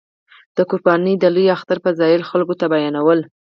د قربانۍ د لوی اختر فضایل یې خلکو ته بیانول.